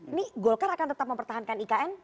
ini golkar akan tetap mempertahankan ikn